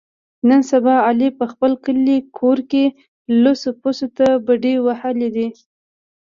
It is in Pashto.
نن سبا علي په خپل کلي کور کې لوڅو پوڅو ته بډې وهلې دي.